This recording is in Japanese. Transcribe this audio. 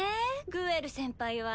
グエル先輩は。